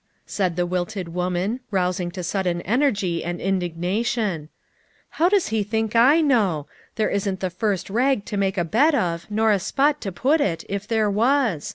said the wilted woman, rousing to sudden energy and indisrna O O/ ~ tion. "How does he think I know? There isn't the first rag to make a bed of, nor a spot to put it, if there was.